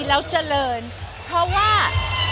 แล้วเจริญเพราะว่า